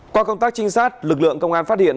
qua công tác trinh sát lực lượng công an phát hiện